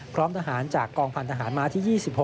พร้อมทหารจากกองพันธหารมาที่๒๖